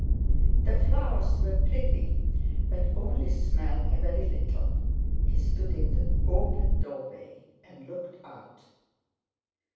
The flowers were pretty, but only smelled a very little. He stood in the open doorway and looked out.